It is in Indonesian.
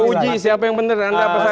kita uji siapa yang benar anda apa saya